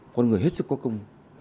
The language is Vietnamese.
con người hết sức có công